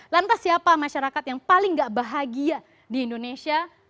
lantas siapa masyarakat yang paling gak bahagia di indonesia